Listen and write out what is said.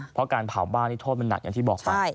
เพราะการเผาบ้านนี่โทษมันหนักอย่างที่บอกไป